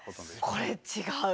これ違う！